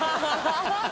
ハハハ